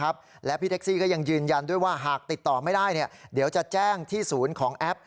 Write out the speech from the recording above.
อ้าพี่ผมไว้ใจพี่นะพี่เอาไปเลยนะครับ